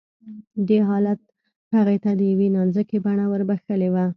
دې حالت هغې ته د يوې نانځکې بڼه وربښلې وه